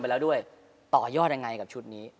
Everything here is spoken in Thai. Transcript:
แล้วด้วยต่อยอดยังไงกับชุดนี้